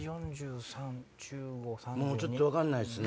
もうちょっと分かんないっすね。